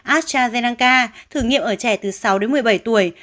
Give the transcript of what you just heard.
astrazeneca thử nghiệm ở trẻ từ sáu đến một mươi bảy tuổi